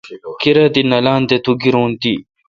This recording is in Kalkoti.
کیر تی نالان تے تو گیرو تی۔